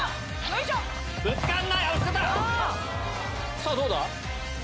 さぁどうだ？